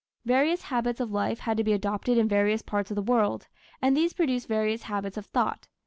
Various habits of life had to be adopted in various parts of the world, and these produced various habits of thought.